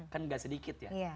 kan gak sedikit ya